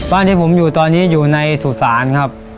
ที่ผมอยู่ตอนนี้อยู่ในสุสานครับ